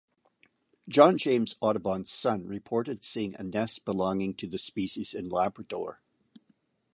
John James Audubon's son reported seeing a nest belonging to the species in Labrador.